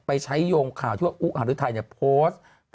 ไปใช้โยงข่าวที่ว่าอุหารุทัยโพสต์